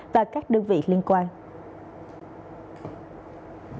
và các đơn vị liên quan